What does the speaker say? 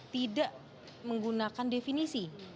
tidak menggunakan definisi